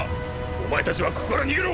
お前たちはここから逃げろ！！